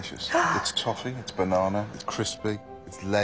はい。